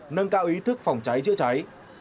nâng cao ý thức phòng cháy chữa cháy